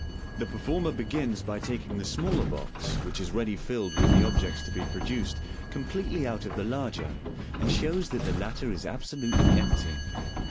The performer begins by taking the smaller box (which is ready rilled with the objects to be produced) completely out of the larger, and shows that the latter is absolutely empty.